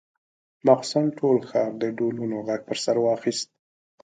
ماخستن ټول ښار د ډولونو غږ پر سر واخيست.